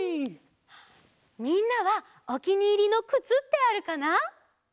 みんなはおきにいりのくつってあるかな？